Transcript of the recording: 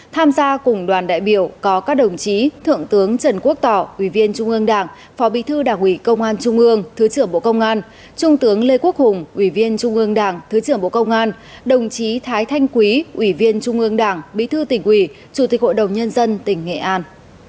tham gia cùng đoàn đại biểu có các đồng chí thượng tướng trần quốc tỏ ủy viên trung ương đảng phó bí thư đảng ủy công an trung ương thứ trưởng bộ công an trung tướng lê quốc hùng ủy viên trung ương đảng thứ trưởng bộ công an đồng chí thái thanh quý ủy viên trung ương đảng bí thư tỉnh ủy chủ tịch hội đồng nhân dân tỉnh nghệ an